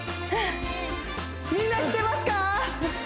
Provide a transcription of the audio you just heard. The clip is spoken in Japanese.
みんな知ってますか？